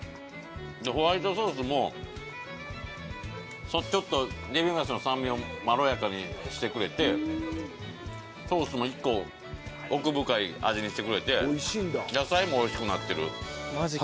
ホワイトソースもちょっとデミグラスの酸味をまろやかにしてくれてソースも１個奥深い味にしてくれて野菜もおいしくなってる。